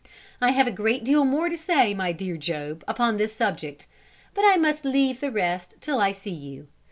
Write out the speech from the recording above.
"I have a great deal more to say, my dear Job, upon this subject, but I must leave the rest till I see you.